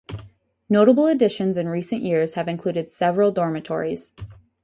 Notable additions in recent years have included several dormitories.